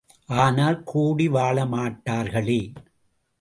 ஆனால், கூடி வாழமாட்டார்களே!